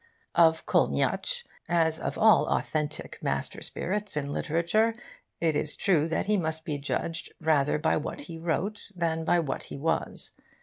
Of Kolniyatsch, as of all authentic master spirits in literature, it is true that he must be judged rather by what he wrote than by what he was.